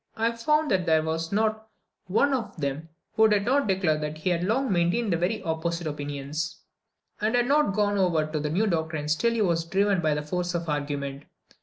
I found that there was not one of them who did not declare that he had long maintained the very opposite opinions, and had not gone over to the new doctrines till he was driven by the force of argument.